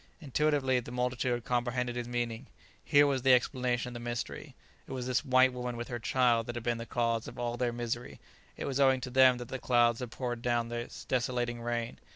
Intuitively the multitude comprehended his meaning. Here was the explanation of the mystery. It was this white woman with her child that had been the cause of all their misery, it was owing to them that the clouds had poured down this desolating rain.